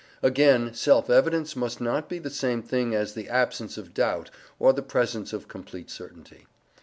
Again, self evidence must not be the same thing as the absence of doubt or the presence of complete certainty.